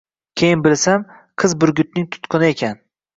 Keyin bilsam, qiz burgutning tutquni ekan